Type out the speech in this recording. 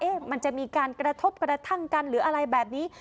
มันจะมีการกระทบกระทั่งกันหรืออะไรแบบนี้